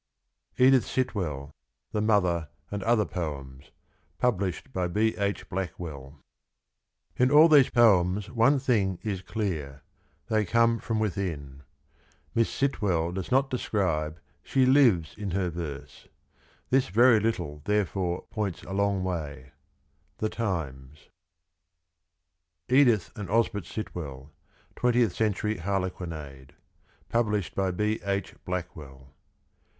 Edith Sitwell. THE MOTHER, AND OTHER POEMS. Published by B. H. Blackwell. In all these poems one thing is clear. They come from within. Miss Sitwell does not describe, she lives in her verse. This very little therefore points a long way. — The Times. Edith and Osbert Sitwell. JOth CENTURY HARLEQUINADE. Published by B. H. Blackwell.